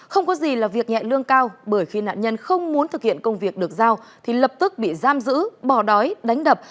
không có gì là việc nhẹ lương cao bởi khi nạn nhân không muốn thực hiện công việc được giao thì lập tức bị giam giữ bò đói đánh đập